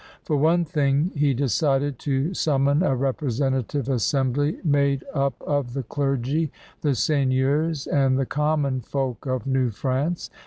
For one thing, he decided to summon a representative assembly made up of the clergy, the seigneurs, and the common folk of New France.